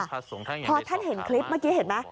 เพราะท่านเห็นคลิปเมื่อกี้เห็นมั้ย